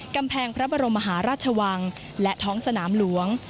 กำแพงพระบรมมหาราชวังและท้องสนามหลวง